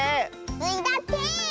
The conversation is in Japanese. スイだって！